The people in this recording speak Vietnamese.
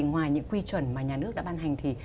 ngoài những quy chuẩn mà nhà nước đã ban hành thì